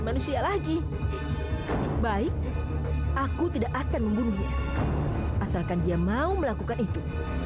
manusia lagi baik aku tidak akan membunuhnya asalkan dia mau melakukan itu